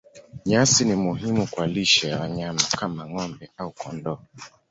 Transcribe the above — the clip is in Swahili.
Nyasi ni muhimu kama lishe ya wanyama kama ng'ombe au kondoo.